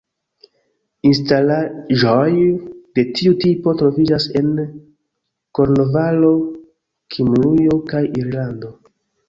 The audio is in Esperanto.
Instalaĵoj de tiu tipo troviĝas en Kornvalo, Kimrujo kaj Irlando.